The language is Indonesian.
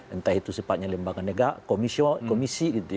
entah itu sifatnya lembaga negara komisi